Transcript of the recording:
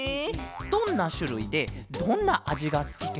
どんなしゅるいでどんなあじがすきケロ？